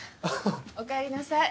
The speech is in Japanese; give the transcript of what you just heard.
おかえりなさい。